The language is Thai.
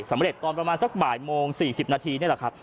สำเร็จตอนประมาณสักบ่ายโมง๔๐นาที